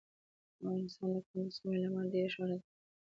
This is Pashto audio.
افغانستان د کندز سیند له امله ډېر شهرت لري.